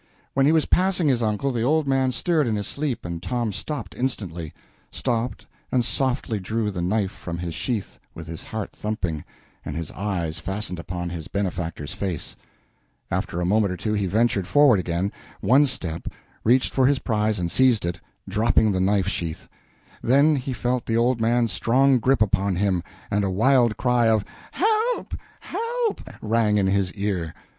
When he was passing his uncle, the old man stirred in his sleep, and Tom stopped instantly stopped, and softly drew the knife from its sheath, with his heart thumping, and his eyes fastened upon his benefactor's face. After a moment or two he ventured forward again one step reached for his prize and seized it, dropping the knife sheath. Then he felt the old man's strong grip upon him, and a wild cry of "Help! help!" rang in his ear.